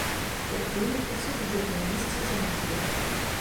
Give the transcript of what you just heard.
Як вынік, усе бюджэтныя месцы занятыя.